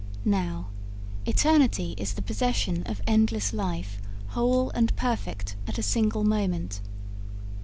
Now, eternity is the possession of endless life whole and perfect at a single moment.